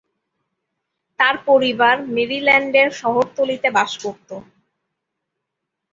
তার পরিবার মেরিল্যান্ডের শহরতলিতে বাস করত।